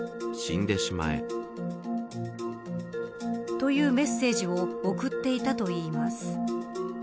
というメッセージを送っていたといいます。